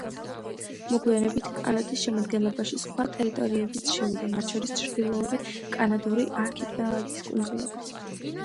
მოგვიანებით კანადის შემადგენლობაში სხვა ტერიტორიებიც შევიდა, მათ შორის ჩრდილოური კანადური არქიპელაგის კუნძულებიც.